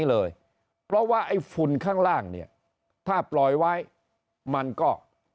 เลยเพราะว่าไอ้ฝุ่นข้างล่างเนี่ยถ้าปล่อยไว้มันก็